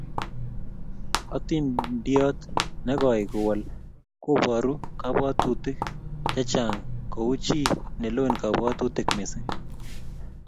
Hatindiondot ne koi kowol koboru kabwatutik chechang kou chi ne loen kabwatutik missing